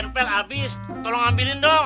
dar air kempel abis tolong ambilin dong